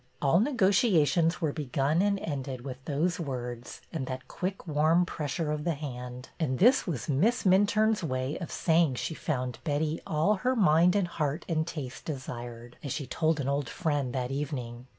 All negotiations were begun and ended with those words and that quick, warm pressure of the hand. And this was Miss Minturne's way of saying she found Betty all her mind and heart and taste desired," as she told an old friend that evening.